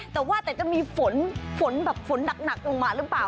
แต่จะมีฝนหนักลงมาหรือเปล่า